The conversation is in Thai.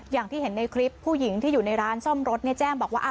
อย่างที่เห็นในคลิปผู้หญิงที่อยู่ในร้านซ่อมรถแจ้งบอกว่า